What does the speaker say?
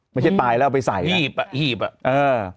ไม่ใช่ตายแล้วเอาไปใส่หีบอะหีบอะเออ